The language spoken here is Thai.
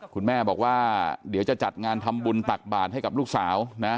คุณแม่บอกว่าเดี๋ยวจะจัดงานทำบุญตักบาทให้กับลูกสาวนะ